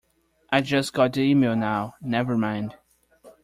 I just got the email now, never mind!.